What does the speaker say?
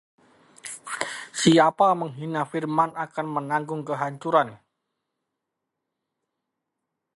Siapa menghina firman akan menanggung kehancuran